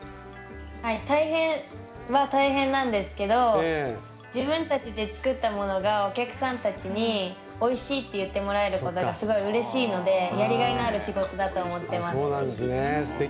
大変は大変なんですけど自分たちで作ったものがお客さんたちにおいしいって言ってもらえることにすごいうれしいのでやりがいのある仕事だと思ってます。